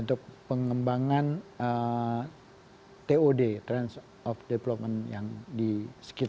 untuk pengembangan tod trans of development yang di sekitar